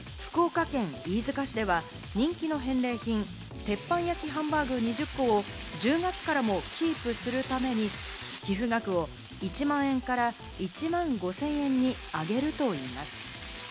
福岡県飯塚市では人気の返礼品、鉄板焼きハンバーグ２０個を１０月からもキープするために、寄付額を１万円から１万５０００円に上げるといいます。